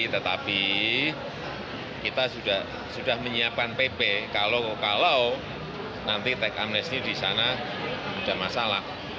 tetapi kita sudah menyiapkan pp kalau nanti tax amnesty di sana sudah masalah